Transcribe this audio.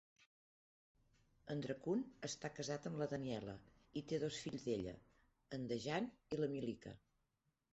En Drecun està casat amb la Daniela i té dos fills d'ella, en Dejan i la Milica.